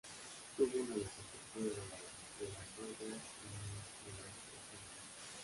Tuvo una licenciatura de la Southern Illinois University en danza.